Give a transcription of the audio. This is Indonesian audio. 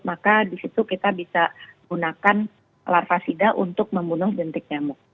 maka di situ kita bisa gunakan larvasida untuk membunuh jentik nyamuk